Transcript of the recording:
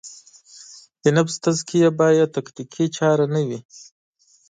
د نفس تزکیه باید تکتیکي چاره نه وي.